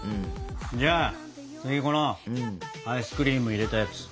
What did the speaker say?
じゃあ次このアイスクリーム入れたやつ。